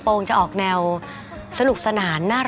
ฮักจริงเขาเรียกว่าฮักจางปาง